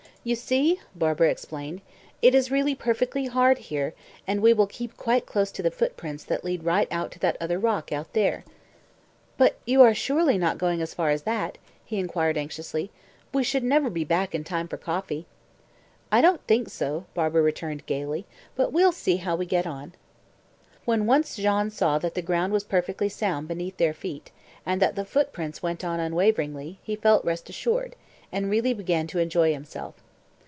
"You see," Barbara explained, "it is really perfectly hard here, and we will keep quite close to the footsteps that lead right out to that other rock out there." "But you are surely not going as far as that?" he inquired anxiously. "We should never be back in time for coffee." "I don't think so," Barbara returned gaily; "but we'll see how we get on." When once Jean saw that the ground was perfectly sound beneath their feet, and that the footprints went on unwaveringly, he felt reassured, and really began to enjoy himself.